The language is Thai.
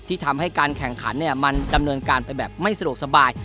ทำให้การแข่งขันมันดำเนินการไปแบบไม่สะดวกสบาย